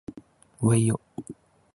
うぇいよ